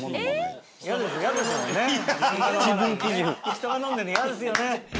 人が飲んでんの嫌ですよね。